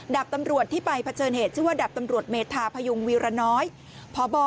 ดาบตำรวจที่ไปเผชิญเหตุชื่อว่าดับตำรวจเมธาพยุงวีรน้อยพบ